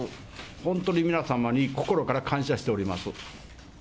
本当に皆様に心から感謝しております。